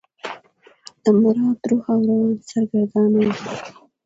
د مراد روح او روان سرګردانه و.